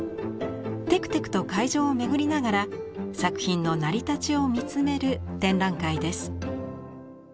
テクテクと会場を巡りながら作品の成り立ちを見つめる展覧会です。